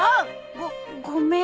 ごごめん。